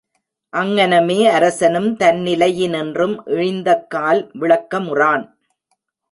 அங்ஙனமே அரசனும் தன்னிலையினின்றும் இழிந்தக்கால் விளக்கமுறான்.